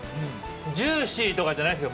ジューシーとかじゃないですよ。